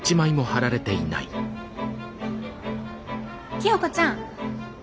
清子ちゃん。